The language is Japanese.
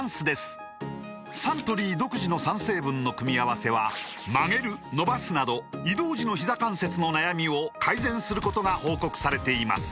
サントリー独自の３成分の組み合わせは曲げる伸ばすなど移動時のひざ関節の悩みを改善することが報告されています